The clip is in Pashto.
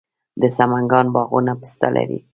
د سمنګان باغونه پسته لري.